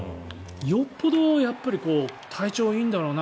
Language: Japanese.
よっぽど体調がいいんだろうな。